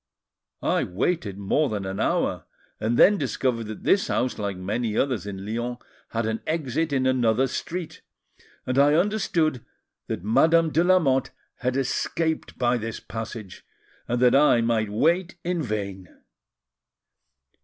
I waited more than an hour, and then discovered that this house, like many others in Lyons, had an exit in another street; and I understood that Madame de Lamotte had escaped by this passage, and that I might wait in vain.